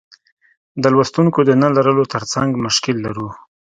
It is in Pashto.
د لوستونکیو د نه لرلو ترڅنګ مشکل لرو.